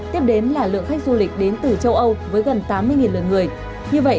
tiếp đến là lượng khách du lịch đến từ châu âu với gần tám mươi lượt người